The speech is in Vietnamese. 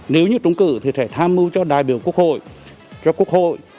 nếu như trung cử thì sẽ tham mưu cho đại biểu quốc hội cho quốc hội